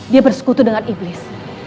dia bersekutu dengan iblis